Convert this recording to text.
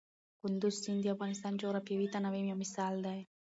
کندز سیند د افغانستان د جغرافیوي تنوع یو مثال دی.